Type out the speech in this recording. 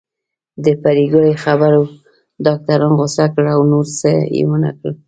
د پري ګلې خبرو ډاکټران غوسه کړل او نور څه يې ونکړل